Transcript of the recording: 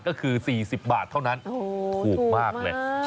ก็คือ๔๐บาทเท่านั้นถูกมากเลย